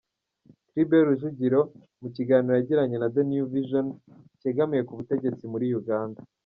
Tribert Rujugiro mu kiganiro yagiranye na The New Vision, kegamiye k’ubutegetsi muri Uganda.